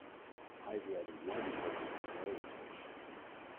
I dread one person very much.